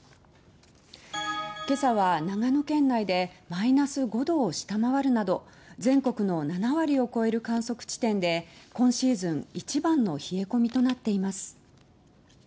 今朝は長野県内でマイナス５度を下回るなど全国の７割を超える観測地点で今シーズン一番の冷え込みとなっています。